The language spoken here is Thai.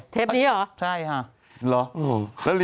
เทปนี้เหรอ